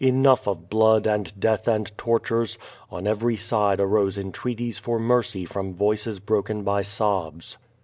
Enough of blood and death and tortures! On every side arose entreaties for mercy from voices broken by sobs.